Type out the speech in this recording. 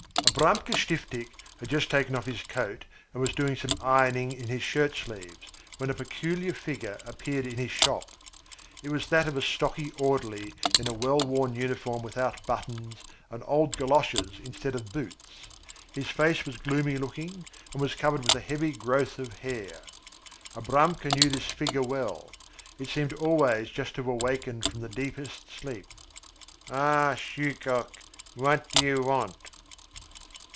Abramka Stiftik had just taken off his coat and was doing some ironing in his shirt sleeves, when a peculiar figure appeared in his shop. It was that of a stocky orderly in a well worn uniform without buttons and old galoshes instead of boots. His face was gloomy looking and was covered with a heavy growth of hair. Abramka knew this figure well. It seemed always just to have been awakened from the deepest sleep. "Ah, Shuchok, what do you want?"